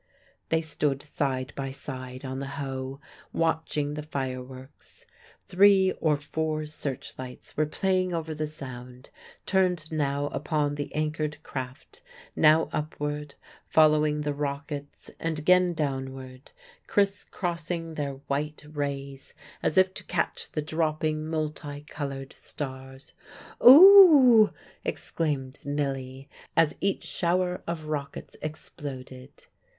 They stood side by side on the Hoe, watching the fireworks. Three or four searchlights were playing over the Sound, turned now upon the anchored craft, now upward, following the rockets, and again downward, crisscrossing their white rays as if to catch the dropping multi coloured stars. "O o oh!" exclaimed Milly, as each shower of rockets exploded.